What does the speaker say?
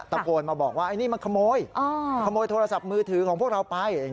ตะโกนมาบอกว่าไอ้นี่มันขโมยขโมยโทรศัพท์มือถือของพวกเราไป